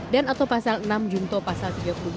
dan atau pasal enam yungto pasar tiga puluh dua